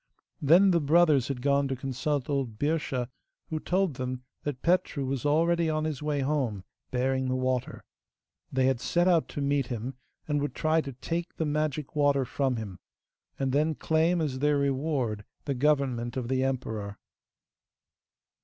Then the brothers had gone to consult old Birscha, who told them that Petru was already on his way home bearing the water. They had set out to meet him, and would try to take the magic water from him, and then claim as their reward the government of the emperor.